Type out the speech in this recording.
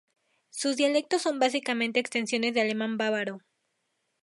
Sus dialectos son básicamente extensiones del alemán bávaro.